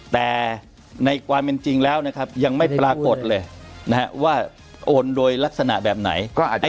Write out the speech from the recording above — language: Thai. แต่ในความเป็นจริงแล้วนะครับยังไม่ปรากฏเลยนะฮะว่าโอนโดยลักษณะแบบไหนก็อาจจะ